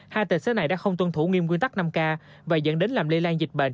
hai tài xế này đã không tuân thủ nghiêm quy tắc năm k và dẫn đến làm lây lan dịch bệnh